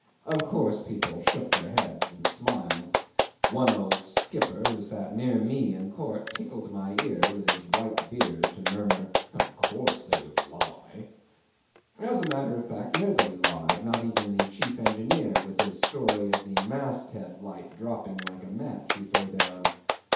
Of course people shook their heads and smiled. One old skipper who sat near me in court tickled my ear with his white beard to murmur, "Of course they would lie." As a matter of fact nobody lied; not even the chief engineer with his story of the mast head light dropping like a match you throw down.